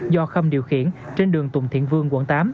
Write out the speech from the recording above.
do khâm điều khiển trên đường tùng thiện vương quận tám